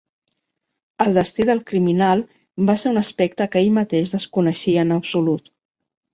El destí del criminal va ser un aspecte que ell mateix desconeixia en absolut.